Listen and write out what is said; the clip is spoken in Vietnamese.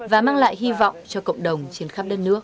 và mang lại hy vọng cho cộng đồng trên khắp đất nước